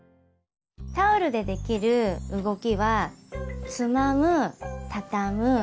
タオルでできる動きは「つまむ」「たたむ」